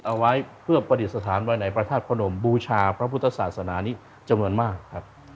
เอาไว้เพื่อประดิษฐานไว้ในพระธาตุพระนมบูชาพระพุทธศาสนานี้จำนวนมากครับ